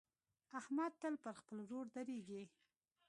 احمد تل پر خپل ورور درېږي.